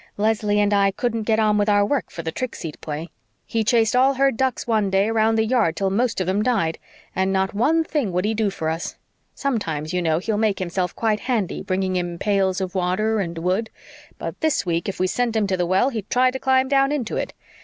Leslie and I couldn't get on with our work for the tricks he'd play. He chased all her ducks one day around the yard till most of them died. And not one thing would he do for us. Sometimes, you know, he'll make himself quite handy, bringing in pails of water and wood. But this week if we sent him to the well he'd try to climb down into it.